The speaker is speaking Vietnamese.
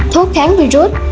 năm thuốc kháng virus